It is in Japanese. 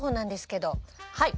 はい。